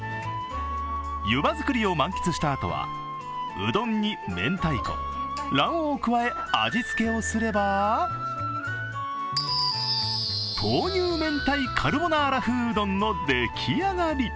湯葉作りを満喫したあとは、うどんにめんたいこ、卵黄を加え、味付けをすれば豆乳明太カルボナーラ風うどんの出来上がり。